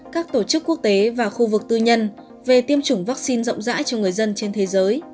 các tổ chức quốc tế và khu vực tư nhân về tiêm chủng vaccine rộng rãi cho người dân trên thế giới